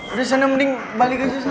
udah sana mending balik aja sana